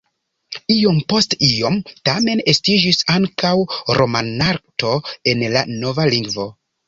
Iom post iom tamen estiĝis ankaŭ romanarto en la nova lingvo.